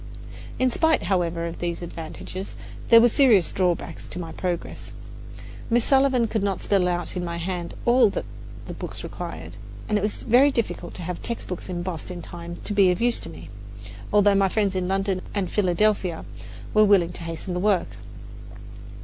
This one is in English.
In spite, however, of these advantages, there were serious drawbacks to my progress. Miss Sullivan could not spell out in my hand all that the books required, and it was very difficult to have textbooks embossed in time to be of use to me, although my friends in London and Philadelphia were willing to hasten the work.